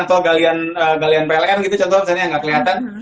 atau galian pln gitu contohnya misalnya yang gak keliatan